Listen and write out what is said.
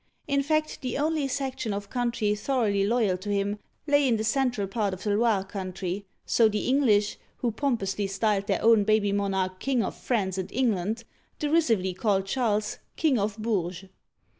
In fact, the only section of country thoroughly loy^l to him lay in the cen tral part of the Loire country, so the English, — who pom pously styled their own baby monarch " King of France and England," — derisively called Charles "King of Bourges" (boorzh).